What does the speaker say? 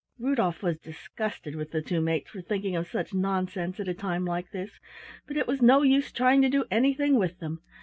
Rudolf was disgusted with the two mates for thinking of such nonsense at a time like this, but it was no use trying to do anything with them.